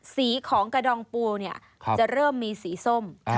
สีของกระดองปูจะเริ่มมีสีส้ม